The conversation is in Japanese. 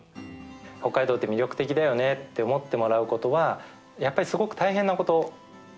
北海道って魅力的だよねって思ってもらうことは、やっぱりすごく大変なこと。